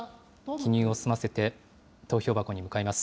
記入を済ませて、投票箱に向かいます。